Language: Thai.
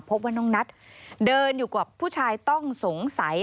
พบว่าน้องนัทเดินอยู่กับผู้ชายต้องสงสัย